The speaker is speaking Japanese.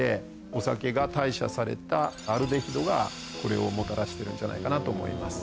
お酒が代謝されたアルデヒドがこれをもたらしてるんじゃないかなと思います。